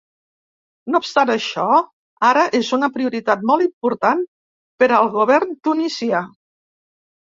No obstant això, ara és una prioritat molt important per al govern tunisià.